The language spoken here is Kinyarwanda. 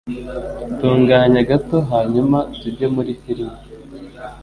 Tunganya gato hanyuma tujye muri firime.